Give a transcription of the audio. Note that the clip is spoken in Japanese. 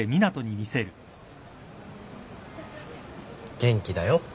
元気だよ。